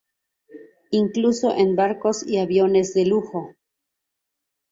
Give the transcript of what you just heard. Incluso en barcos y aviones de lujo.